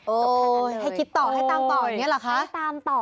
โอ้โหให้คิดต่อให้ตามต่ออย่างนี้เหรอคะให้ตามต่อ